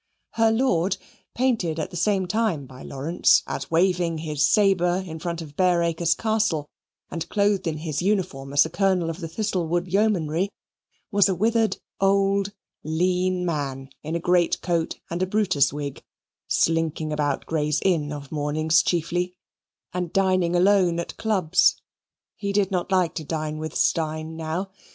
Her lord, painted at the same time by Lawrence, as waving his sabre in front of Bareacres Castle, and clothed in his uniform as Colonel of the Thistlewood Yeomanry, was a withered, old, lean man in a greatcoat and a Brutus wig, slinking about Gray's Inn of mornings chiefly and dining alone at clubs. He did not like to dine with Steyne now.